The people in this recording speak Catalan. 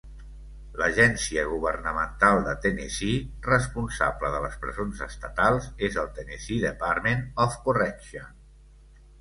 L'agència governamental de Tennessee responsable de les presons estatals és el Tennessee Department of Correction.